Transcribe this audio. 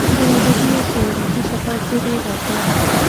د ادبي او سیاحتي سفر زیری یې راکړ.